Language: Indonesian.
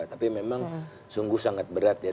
tapi memang sungguh sangat berat ya